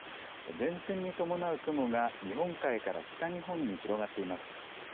前線に伴う雲が日本海から北日本に広がっています。